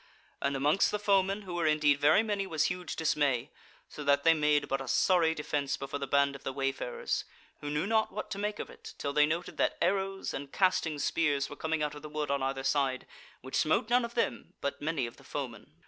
And amongst the foemen, who were indeed very many, was huge dismay, so that they made but a sorry defence before the band of the wayfarers, who knew not what to make of it, till they noted that arrows and casting spears were coming out of the wood on either side, which smote none of them, but many of the foemen.